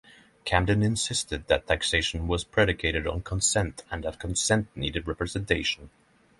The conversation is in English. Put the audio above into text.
Camden insisted that taxation was predicated on consent and that consent needed representation.